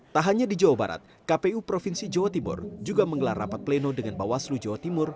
tak hanya di jawa barat kpu provinsi jawa timur juga menggelar rapat pleno dengan bawaslu jawa timur